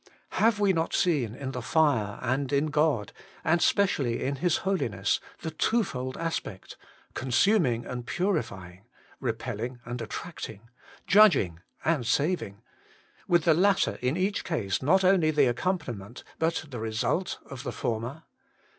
Have we not seen in the fire, and in God, and specially in His Holi ness, the twofold aspect ; consuming and purifying, repelling and attracting, judging and saving, with the latter in each case not only the accompaniment but the result of the former